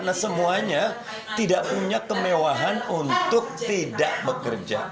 nah semuanya tidak punya kemewahan untuk tidak bekerja